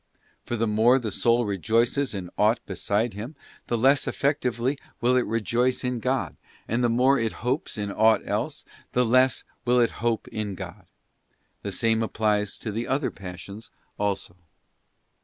For the moré the soul rejoices in aught beside Him, the less effectively will it rejoice in God, and the more it hopes in aught else, the less will it hope in God. The same applies to the other passions also.